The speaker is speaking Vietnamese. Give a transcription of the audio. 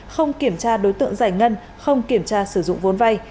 không kiểm tra đối tượng giải ngân không kiểm tra sử dụng vốn vay